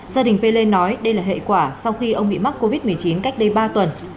gia đình pelle nói đây là hệ quả sau khi ông bị mắc covid một mươi chín cách đây ba tuần